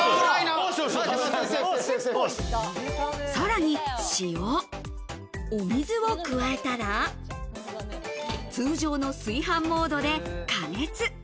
さらに塩、お水を加えたら、通常の炊飯モードで加熱。